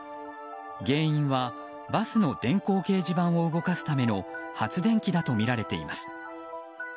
原因は、バスの電光掲示板を動かすための発電機だとみられています。